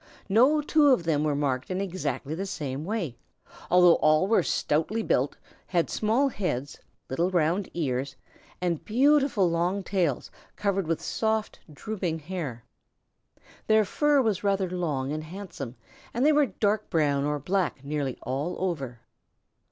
No two of them were marked in exactly the same way, although all were stoutly built, had small heads, little round ears, and beautiful long tails covered with soft, drooping hair. Their fur was rather long and handsome and they were dark brown or black nearly all over.